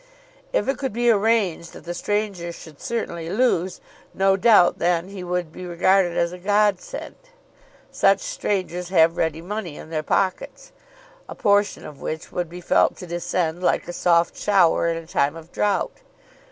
If it could be arranged that the stranger should certainly lose, no doubt then he would be regarded as a godsend. Such strangers have ready money in their pockets, a portion of which would be felt to descend like a soft shower in a time of drought.